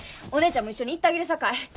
お姉ちゃんも一緒に行ったげるさかい。